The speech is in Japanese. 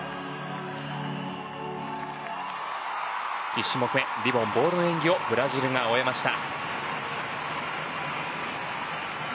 １種目め、リボン・ボールの演技をブラジルが終えました。